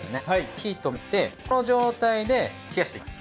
火を止めてこの状態で冷やしていきます。